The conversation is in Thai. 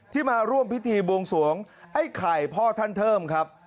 มาร่วมพิธีบวงสวงไอ้ไข่พ่อท่านเทิมครับ